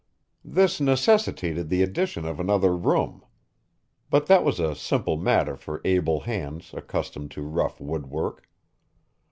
This necessitated the addition of another room. But that was a simple matter for able hands accustomed to rough woodwork.